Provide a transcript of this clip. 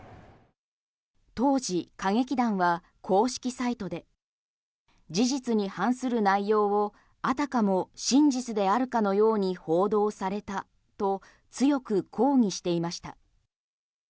当時、歌劇団は公式サイトで事実に反する内容をあたかも真実であるかのように報道されたと強く抗議していました。